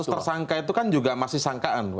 status tersangka itu kan juga masih sangkaan